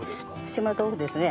島豆腐ですね。